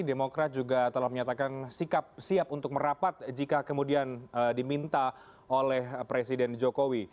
demokrat juga telah menyatakan sikap siap untuk merapat jika kemudian diminta oleh presiden jokowi